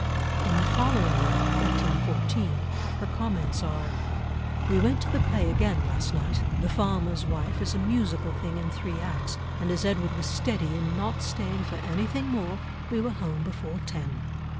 In the following year, 1814, her comments are, "We went to the play again last night. The Farmer's Wife is a musical thing in three acts, and, as Edward was steady in not staying for anything more, we were home before ten.